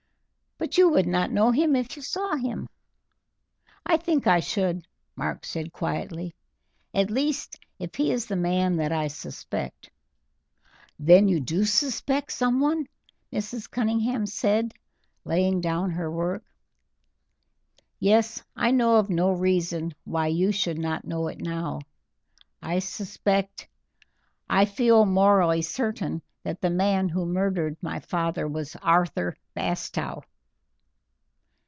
"But you would not know him if you saw him?" "I think I should," Mark said quietly; "at least, if he is the man that I suspect." "Then you do suspect someone?" Mrs. Cunningham said, laying down her work. "Yes, I know of no reason why you should not know it now. I suspect indeed, I feel morally certain that the man who murdered my father was Arthur Bastow."